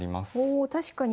お確かに。